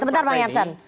sebentar bang yansen